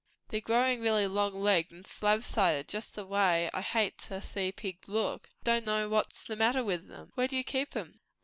They're growing real long legged and slab sided just the way I hate to see pigs look. I don' know what's the matter with 'em." "Where do you keep 'em?"